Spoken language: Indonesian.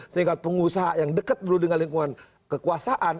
setingkat pengusaha yang dekat dengan lingkungan kekuasaan